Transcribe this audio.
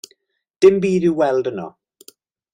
Dim byd i'w weld yno.